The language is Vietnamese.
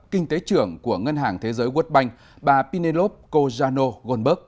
kinh tế trưởng của ngân hàng thế giới world bank bà pinelov cojano goldberg